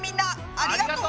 ありがとう！